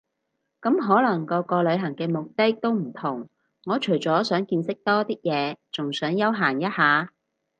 咁可能個個旅行嘅目的都唔同我除咗想見識多啲嘢，仲想休閒一下